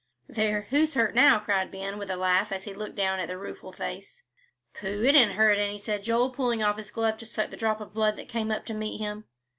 "There, who's hurt now?" cried Ben, with a laugh as he looked down at the rueful face. "Pooh it didn't hurt any," said Joel, pulling off his glove to suck the drop of blood that came up to meet him.